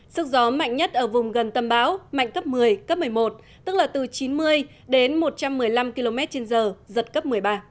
sức gió mạnh nhất ở vùng gần tâm bão mạnh cấp một mươi cấp một mươi một tức là từ chín mươi đến một trăm một mươi năm km trên giờ giật cấp một mươi ba